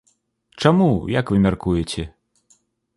Чаму, як вы мяркуеце?